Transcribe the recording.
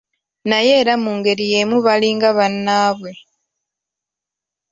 Naye era mu ngeri yeemu balinga bannaabwe.